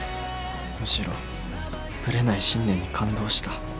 むしろブレない信念に感動した